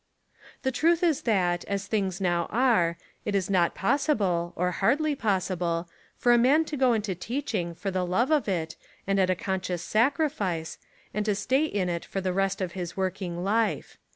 The truth is that, as things now are, it is not possible, or hardly possible, for a man to go into teaching for the love of it and at a conscious sacrifice, and to stay in it for the rest of his working life.